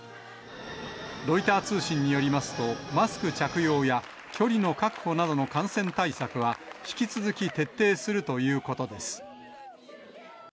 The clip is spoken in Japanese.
ロイター通信によりますと、マスク着用や距離の確保などの感染対策は、引き続き徹底するということです。